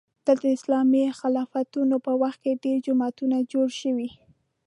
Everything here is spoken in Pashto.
دلته د اسلامي خلافتونو په وخت کې ډېر جوماتونه جوړ شوي.